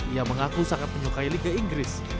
ia mengaku sangat menyukai liga inggris